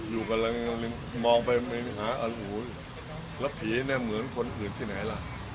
อยู่กันแล้วมองไปหาโอ้โหแล้วผีเนี่ยเหมือนคนอื่นที่ไหนล่ะ